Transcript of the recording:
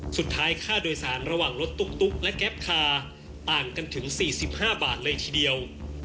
ค่าโดยสารระหว่างรถตุ๊กและแก๊ปคาต่างกันถึง๔๕บาทเลยทีเดียว